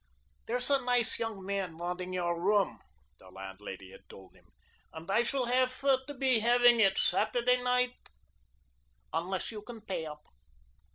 "There is a nice young man wanting your room," the landlady had told him, "and I shall have to be having it Saturday night unless you can pay up."